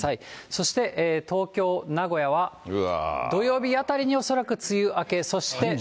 そして東京、名古屋は、土曜日辺りに恐らく梅雨明け、そして。